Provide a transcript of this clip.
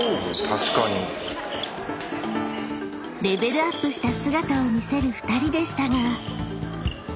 ［レベルアップした姿を見せる２人でしたが］